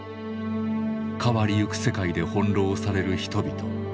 変わりゆく世界で翻弄される人々。